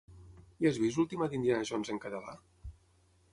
Ja has vist l'última d'Indiana Jones en català?